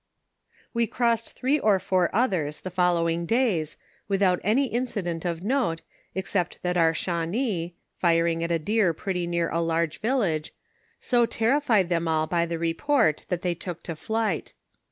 We crossed three or four others the following days, without any incident of note, except that our Shawnee, firing at a deer pretty near a large village, so terrified them all by the report that they took to flight.